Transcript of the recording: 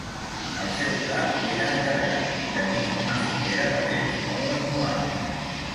El seu cap era allargat i tenia una filera de dents molt esmolades.